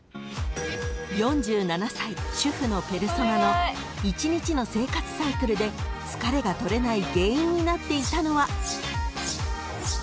［４７歳主婦のペルソナの１日の生活サイクルで疲れが取れない原因になっていたのは］